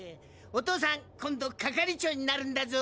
お父さん今度係長になるんだぞ。